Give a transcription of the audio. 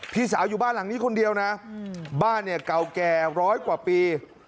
พี่สาวอยู่บ้านหลังนี้คนเดียวนะบ้านเนี่ยเก่าแก่ร้อยกว่าปี